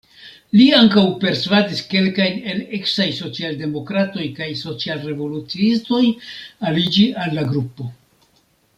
Li ankaŭ persvadis kelkajn el eksaj social-demokratoj kaj social-revoluciistoj aliĝi al la grupo.